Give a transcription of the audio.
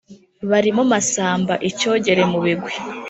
Barimo Masamba Icyogere mu bigwi